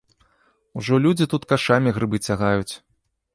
Ужо людзі тут кашамі грыбы цягаюць.